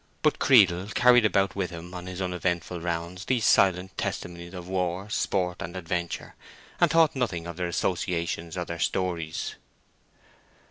But Creedle carried about with him on his uneventful rounds these silent testimonies of war, sport, and adventure, and thought nothing of their associations or their stories.